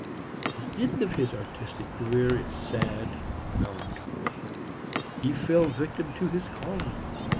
The end of his artistic career is sad and melancholy. He fell a victim to his calling.